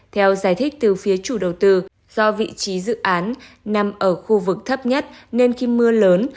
theo giải thích từ phía chủ đầu tư do vị trí dự án nằm ở khu vực thấp nhất nên khi mưa lớn